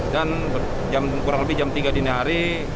dan kurang lebih jam tiga dini hari